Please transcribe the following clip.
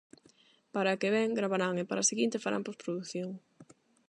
Para a que vén, gravarán, e para a seguinte, farán posprodución.